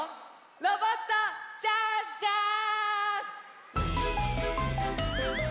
ロボットジャンジャーン！